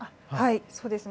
そうですね。